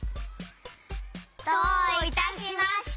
どういたしまして！